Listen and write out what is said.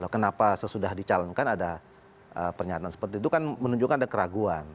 kenapa sesudah dicalonkan ada pernyataan seperti itu kan menunjukkan ada keraguan